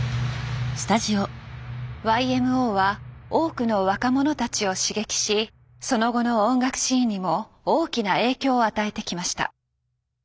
ＹＭＯは多くの若者たちを刺激しその後の音楽シーンにも大きな影響を与えてきました。